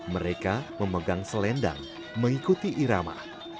mereka memegang selendang mengikuti irama